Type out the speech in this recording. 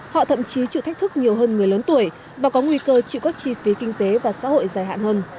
họ thậm chí chịu thách thức nhiều hơn người lớn tuổi và có nguy cơ chịu các chi phí kinh tế và xã hội dài hạn hơn